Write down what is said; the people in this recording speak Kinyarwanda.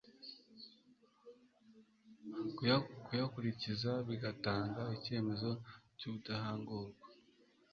kuyakurikiza bigatanga icyemezo cy'ubudashanguka